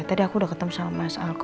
tadi aku udah ketemu sama mas alko